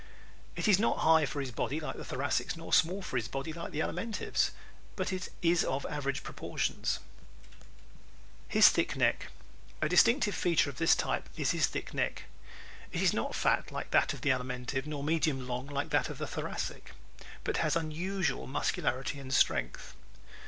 It is not high for his body like the Thoracic's nor small for his body like the Alimentive's, but is of average proportions. [Illustration: 6 Typical MUSCULAR face Typical MUSCULAR hand] His Thick Neck ¶ A distinctive feature of this type is his thick neck. It is not fat like that of the Alimentive nor medium long like that of the Thoracic but has unusual muscularity and strength.